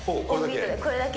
これだけ？